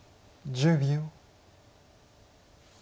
１０秒。